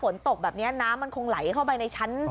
น้ำมันคงไหลเข้าไปในชั้น